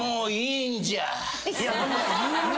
「いいんじゃ」